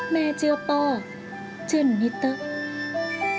แม่เชื่อป้อเชื่อหนูนิดเต๊ะหนูนิดจะพาป้อไปกบ้าน